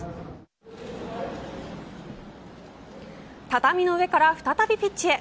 畳の上から再びピッチへ。